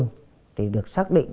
nó mua cái